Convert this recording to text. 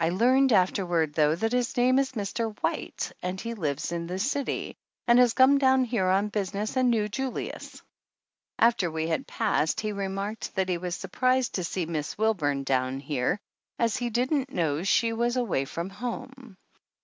I learned afterward, though, that his name is Mr. White and he lives in the city and has come down here on business and knew Julius. After we had passed he remarked that he was surprised to see Miss Wilburn down here as he didn't know she was away from home.